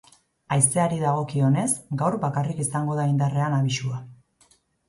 Haizeari dagokionez, gaur bakarrik izango da indarrean abisua.